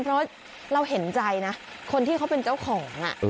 เพราะเราเห็นใจนะคนที่เขาเป็นเจ้าของ